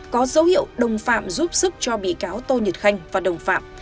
có dấu hiệu đồng phạm giúp sức cho bị cáo tô nhật khanh và đồng phạm